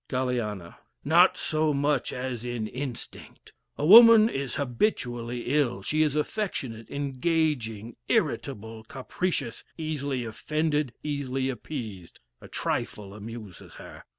Galiana. Not so much as in instinct. A woman is habitually ill. She is affectionate, engaging, irritable, capricious, easily offended, easily appeased, a trifle amuses her.